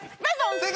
正解！